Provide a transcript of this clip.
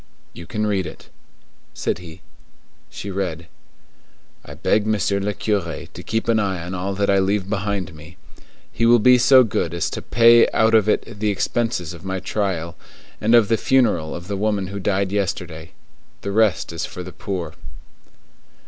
"You can read it," said he. She read:— "I beg Monsieur le Curé to keep an eye on all that I leave behind me. He will be so good as to pay out of it the expenses of my trial, and of the funeral of the woman who died yesterday. The rest is for the poor."